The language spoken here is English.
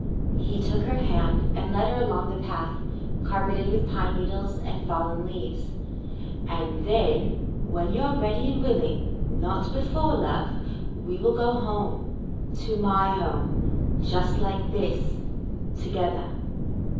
He took her hand and led her along the path, carpeted with pine needles and fallen leaves. " And then, when you are ready and willing — not before, love — we will go home — to my home — just like this, together."